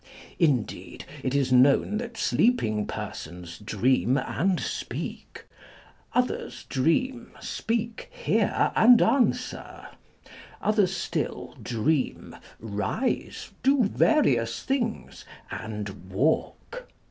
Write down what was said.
Indeed, it is known that sleeping persons dream and speak ; others dream, speak, hear, and answer ; others still dream, rise, do various things, and walk.